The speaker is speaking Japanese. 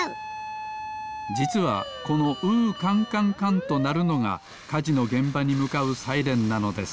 じつはこの「うーかんかんかん」となるのがかじのげんばにむかうサイレンなのです。